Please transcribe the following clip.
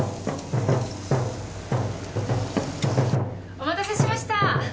お待たせしました！